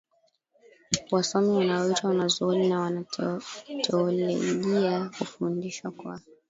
wasomi wanaoitwa wanazuoni na wanateolojia hufundisha kwa